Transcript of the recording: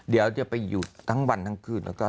เดี๋ยวจะไปอยู่ทั้งวันทั้งคืนแล้วก็